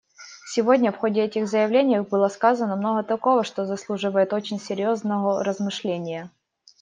Сегодня в ходе этих заявлений было сказано много такого, что заслуживает очень серьезного размышления.